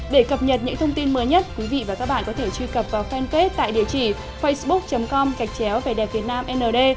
để cập nhật những thông tin mới nhất quý vị và các bạn có thể truy cập vào fanpage tại địa chỉ facebook com gạch chéo về đẹp việt nam nd